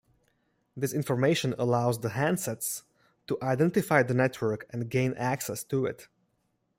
This information allows the handsets to identify the network and gain access to it.